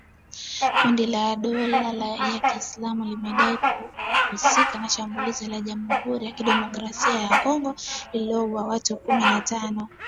Kundi la dola ya Kiislamu limedai kuhusika na shambulizi la Jamhuri ya kidemokrasia ya Kongo lililouwa watu kumi na tano.